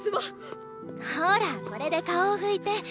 ほらこれで顔を拭いて。